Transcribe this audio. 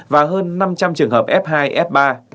và hơn năm trăm linh trường hợp f hai f ba